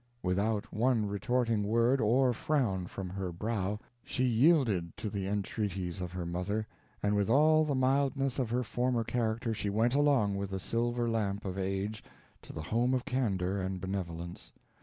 Without one retorting word, or frown from her brow, she yielded to the entreaties of her mother, and with all the mildness of her former character she went along with the silver lamp of age, to the home of candor and benevolence.